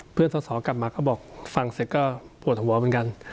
สอสอกลับมาก็บอกฟังเสร็จก็ปวดหัวเหมือนกัน